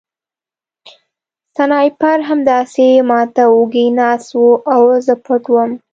سنایپر همداسې ما ته وږی ناست و او زه پټ وم